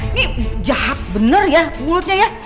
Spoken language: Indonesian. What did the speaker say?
ini jahat bener ya mulutnya ya